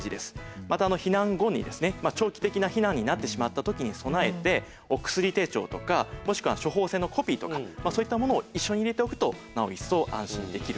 また避難後に長期的な避難になってしまった時に備えてお薬手帳とかもしくは処方せんのコピーとかそういったものを一緒に入れておくとなお一層安心できるかと思います。